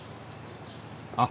あっ！